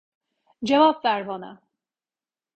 Cevap ver bana!